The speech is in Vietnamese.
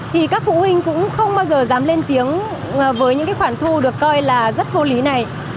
thì các phụ huynh cũng không bao giờ dám lên tiếng với những cái khoản thu được coi là rất vô lý này